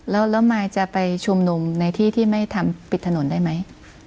แล้วมายจะไปชุมนุมในที่ที่ไม่ทำปิดถนนได้ไหม